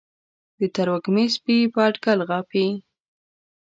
د تروږمۍ سپي په اټکل غاپي